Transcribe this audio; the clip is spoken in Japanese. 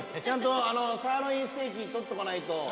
ちゃんとサーロインステーキ撮っとかないと。